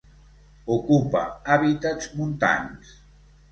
Ocupa hàbitats montans.